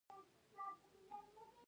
آیا د رمو ساتل د پښتنو پخوانی کسب نه دی؟